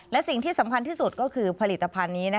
และสิ่งที่สำคัญที่สุดก็คือผลิตภัณฑ์นี้